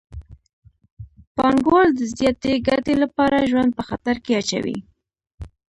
پانګوال د زیاتې ګټې لپاره ژوند په خطر کې اچوي